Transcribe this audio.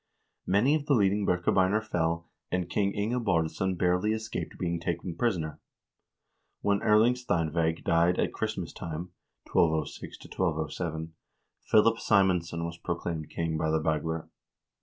Many of the leading Birkebeiner fell, and King Inge Baardsson barely escaped being taken prisoner. When Erling Steinvseg died at Christmas time, 1206 1207, Philip Simonsson was proclaimed king by the Bagler.